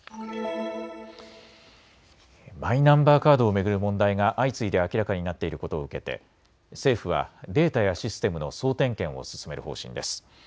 マイナンバーカードを巡る問題が相次いで明らかになっていることを受けて政府はデータやシステムの総点検を進める方針です。